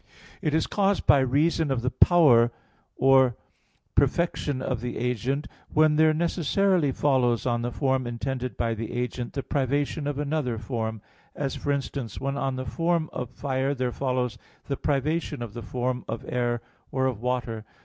It is caused by reason of the power or perfection of the agent when there necessarily follows on the form intended by the agent the privation of another form; as, for instance, when on the form of fire there follows the privation of the form of air or of water.